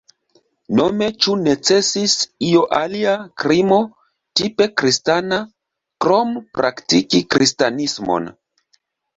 Nome ĉu necesis io alia krimo "tipe kristana" krom praktiki kristanismon?